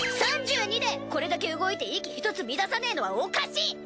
３２でこれだけ動いて息ひとつ乱さねえのはおかしい！